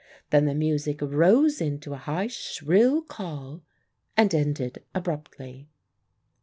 Then the music rose into a high shrill call and ended abruptly.